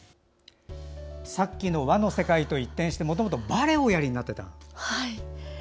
さっきの和の世界と一転してもともとバレエをおやりになっていた？